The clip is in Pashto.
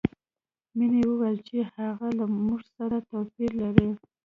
مینې وویل چې هغوی له موږ سره توپیر لري